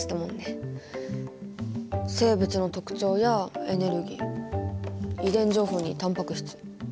生物の特徴やエネルギー遺伝情報にタンパク質。